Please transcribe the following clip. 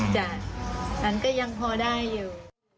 จ้ะฉันก็ยังพอได้อยู่